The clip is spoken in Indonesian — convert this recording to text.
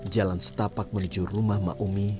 jalan setapak menuju rumah maumi